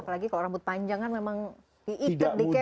apalagi kalau rambut panjang kan memang diikat dikepa